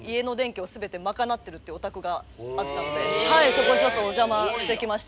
そこちょっとお邪魔してきました。